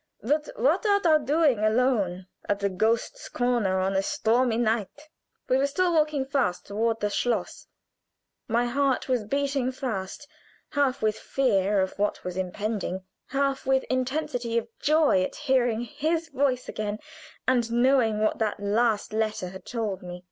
But what art thou doing alone at the Ghost's Corner on a stormy night?" We were still walking fast toward the schloss. My heart was beating fast, half with fear of what was impending, half with intensity of joy at hearing his voice again, and knowing what that last letter had told me.